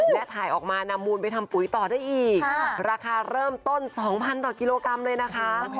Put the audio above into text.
และถ่ายออกมานำมูลไปทำปุ๋ยต่อได้อีกราคาเริ่มต้น๒๐๐ต่อกิโลกรัมเลยนะคะ